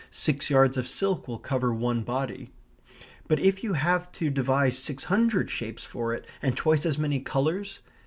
Six yards of silk will cover one body; but if you have to devise six hundred shapes for it, and twice as many colours?